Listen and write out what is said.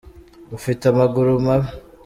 Ufite amaguru mabi